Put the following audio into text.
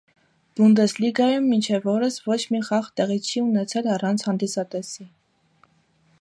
Բունդեսլիգայում մինչ օրս ոչ մի խաղ տեղի չի ունեցել առանց հանդիսատեսի։